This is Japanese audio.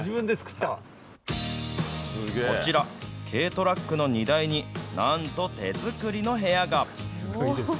こちら、軽トラックの荷台になんと手作りの部屋が。